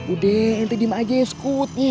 udah ente diem aja ya skut